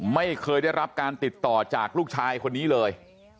ไม่เคยได้รับการติดต่อจากลูกชายคนนี้เลย